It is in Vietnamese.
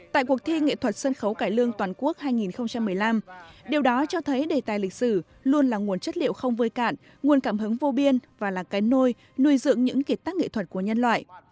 tại cuộc thi nghệ thuật sân khấu cải lương toàn quốc hai nghìn một mươi năm điều đó cho thấy đề tài lịch sử luôn là nguồn chất liệu không vơi cạn nguồn cảm hứng vô biên và là cái nôi nuôi dưỡng những kiệt tác nghệ thuật của nhân loại